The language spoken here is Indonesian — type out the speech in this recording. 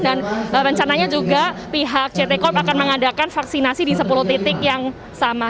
dan rencananya juga pihak ct corp akan mengadakan vaksinasi di sepuluh titik yang sama